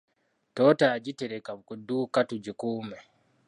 Toyota yagitereka ku dduuka tugikuume.